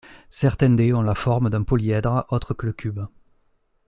Certains dés ont la forme d’un polyèdre autre que le cube.